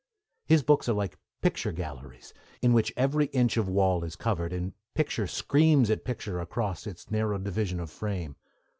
His books are like picture galleries, in which every inch of wall is covered, and picture screams at picture across its narrow division of frame.